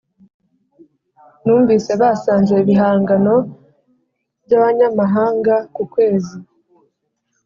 numvise basanze ibihangano byabanyamahanga ku kwezi